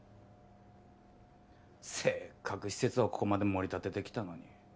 せっかく施設をここまでもり立ててきたのに。